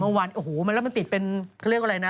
วันโอ้โหแล้วมันติดเป็นเขาเรียกอะไรนะ